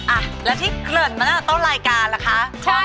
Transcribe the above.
อ่ะแล้วที่เกิดมาต้นรายการนะคะใช่